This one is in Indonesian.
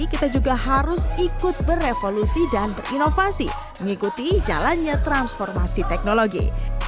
kita juga harus ikut berevolusi dan berinovasi mengikuti jalannya transformasi teknologi